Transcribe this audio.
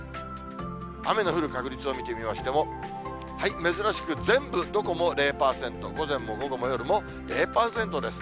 雨の降る確率を見てみましても、珍しく全部どこも０％、午前も午後も夜も０％です。